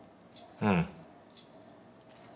うん。